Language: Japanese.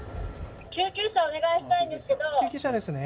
救急車をお願いしたいんです救急車ですね。